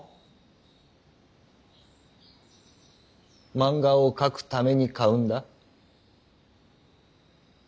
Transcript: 漫画を描くために買うんだ。